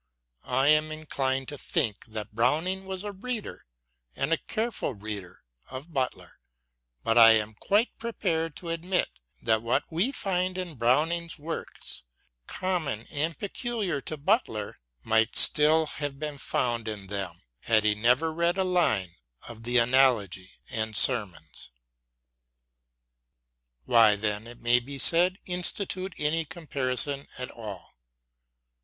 I am inclined to think that Browning was a reader, and a careful reader, of Butler ; but I am quite pre pared to admit that what we find in Browning's works common and peculiar to Butler might still have been found in tixem had he never read a line of the " Analogy " and " Sermons," Why, then, it may be said, institute any comparison at all